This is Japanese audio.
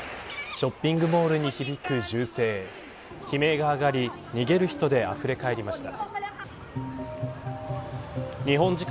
ショッピングモールに響く銃声悲鳴が上がり逃げる人であふれ返りました。